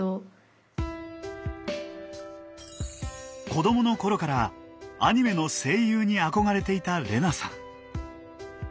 子どもの頃からアニメの声優に憧れていた玲那さん。